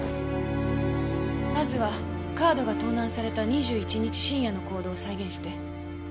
まずはカードが盗難された２１日深夜の行動を再現して。